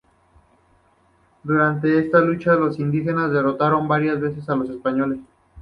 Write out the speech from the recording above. Durante esta lucha, los indígenas derrotaron varias veces a los españoles.